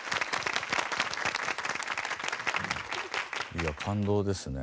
いや感動ですね。